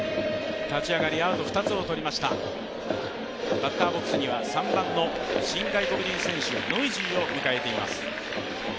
バッターボックスには新外国人選手、ノイジーを迎えています。